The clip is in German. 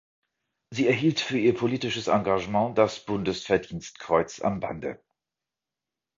Sie erhielt für ihr politisches Engagement das Bundesverdienstkreuz am Bande.